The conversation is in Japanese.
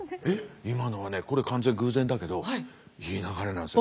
今のはねこれ完全偶然だけどいい流れなんですよ。